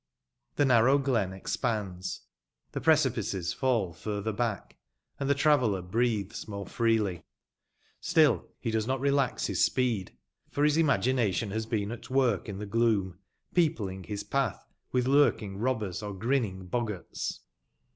The narrow glen expands, the precipices fall furtner bcMsk, and tiie traveller breathes more freely. Still, be does not relax biü speed, for bis imagination bas been at work in tbe gloom, peopline bis patb witb lurking robbers or grinning boggarta.